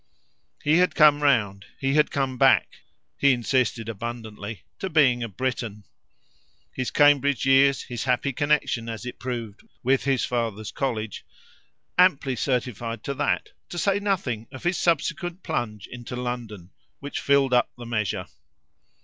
He had come round, he had come back, he insisted abundantly, to being a Briton: his Cambridge years, his happy connexion, as it had proved, with his father's college, amply certified to that, to say nothing of his subsequent plunge into London, which filled up the measure.